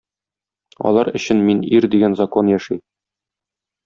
Алар өчен "Мин - ир" дигән закон яши.